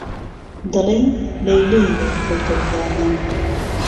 دهلێی لهيلێيه کهوته بیابان